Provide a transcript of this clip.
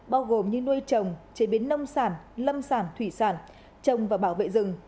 bao gồm như nuôi trồng chế biến nông sản lâm sản thủy sản trồng và bảo vệ rừng